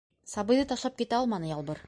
Сабыйҙы ташлап китә алманы Ялбыр.